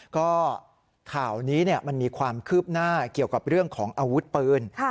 ก็ข่าวนี้มันมีความคืบหน้าเกี่ยวกับเรื่องของอาวุธปืน